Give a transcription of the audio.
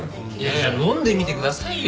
いや飲んでみてくださいよ。